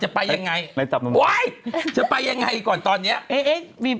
จะไปยังไงจะไปยังไงก่อนตอนนี้